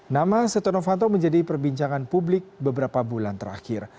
nama setonofanto menjadi perbincangan publik beberapa bulan terakhir